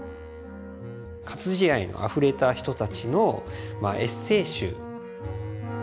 活字愛のあふれた人たちのまあエッセー集。